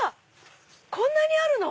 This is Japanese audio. こんなにあるの？